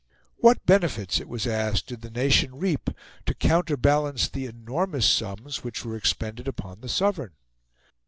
What benefits, it was asked, did the nation reap to counterbalance the enormous sums which were expended upon the Sovereign?